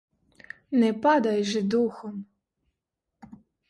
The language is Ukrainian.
Не падай же духом.